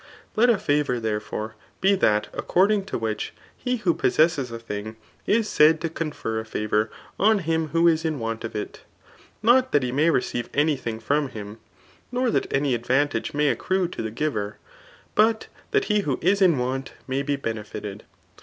Let a favour, therefore, be t^at according to which he who possesses a things is said to coj/fer a favour on him who is ifi ipant of it, nqt that he tnojf receive any thing Jrom him, nor that any advantof^ mojf accrue to the giver^ but that lie who is in want may Jbe benefited.